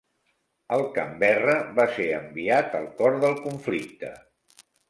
El "Canberra" va ser enviat al cor del conflicte.